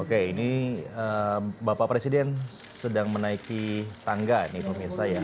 oke ini bapak presiden sedang menaiki tangga nih pemirsa ya